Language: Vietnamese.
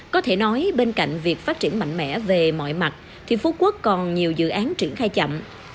có thể nói bên cạnh việc phát triển mạnh mẽ về mọi mặt thì phú quốc còn nhiều dự án triển khai chậm